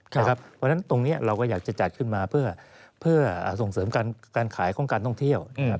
เพราะฉะนั้นตรงนี้เราก็อยากจะจัดขึ้นมาเพื่อส่งเสริมการขายของการท่องเที่ยวนะครับ